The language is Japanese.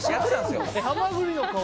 ハマグリの顔